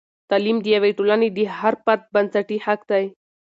تعلیم د یوې ټولنې د هر فرد بنسټي حق دی.